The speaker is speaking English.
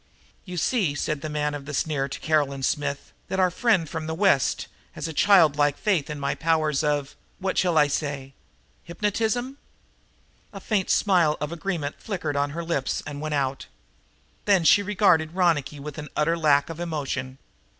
"You see," said the man of the sneer to Caroline Smith, "that our friend from the West has a child like faith in my powers of what shall I say hypnotism!" A faint smile of agreement flickered on her lips and went out. Then she regarded Ronicky, with an utter lack of emotion.